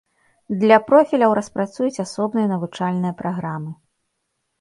Для профіляў распрацуюць асобныя навучальныя праграмы.